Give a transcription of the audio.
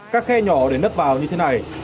các khe nhỏ để nấc vào như thế này